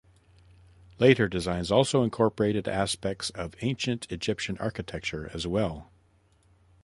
Later designs also incorporated aspects of ancient Egyptian architecture as well.